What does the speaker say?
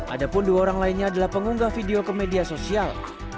ada pun dua orang lainnya adalah pengunggah video ke media sosial